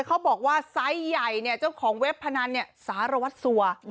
เขาบอกว่าไซส์ใหญ่เนี่ยเจ้าของเว็บพนันเนี่ยสารวัตรสัว